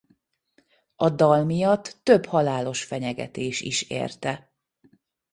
A dal miatt több halálos fenyegetés is érte.